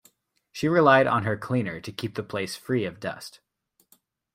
She relied on her cleaner to keep the place free of dust.